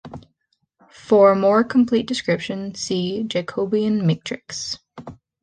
For a more complete description, see Jacobian matrix.